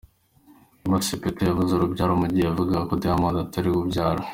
Wema Sepetu yabuze urubyaro mugihe yavugaga ko Diamond atariwe ubyara.